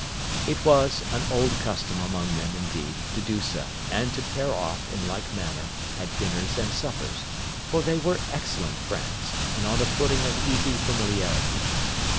It was an old custom among them, indeed, to do so, and to pair off, in like manner, at dinners and suppers; for they were excellent friends, and on a footing of easy familiarity.